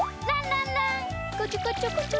らんらんこちょこちょこちょ。